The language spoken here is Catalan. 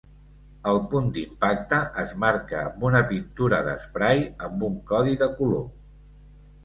El punt d'impacte es marca amb una pintura d'esprai amb un codi de color.